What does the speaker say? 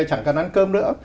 chẳng cần ăn cơm nữa